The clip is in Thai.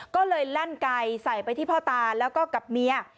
ก็เลยลั่นไก่ใส่ไปที่พ่อตาแล้วก็กับเมีย